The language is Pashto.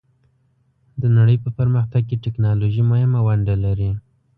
د نړۍ په پرمختګ کې ټیکنالوژي مهمه ونډه لري.